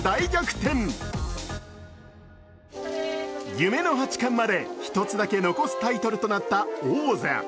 夢の八冠まで１つだけ残すタイトルとなった王座。